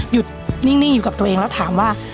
นิ่งอยู่กับตัวเองแล้วถามว่า